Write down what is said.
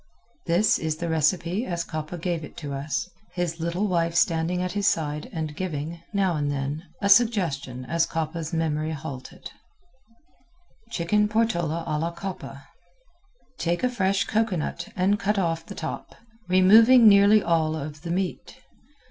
This is the recipe as Coppa gave it to us, his little wife standing at his side and giving, now and then, a suggestion as Coppa's memory halted: Chicken Portola a la Coppa Take a fresh cocoanut and cut off the top, removing nearly all of the meat.